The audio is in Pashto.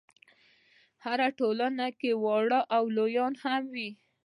هره ټولنه کې واړه او لویان هم وي.